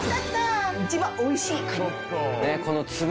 一番おいしいカニ。